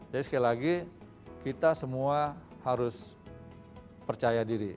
jadi sekali lagi kita semua harus percaya diri